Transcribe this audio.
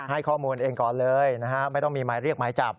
ให้ข้อมูลเองก่อนเลยนะฮะไม่ต้องมีหมายเรียกหมายจับ